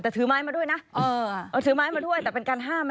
แต่ถือไม้มาด้วยนะถือไม้มาด้วยแต่เป็นการห้าม